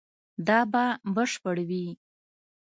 دا به بشپړ وي